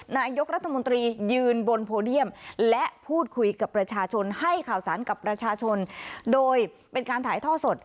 นายกรัฐมนตรียืนบนโพเดียมและพูดคุยกับประชาชนให้ข่าวสารกับประชาชนโดยเป็นการถ่ายท่อสด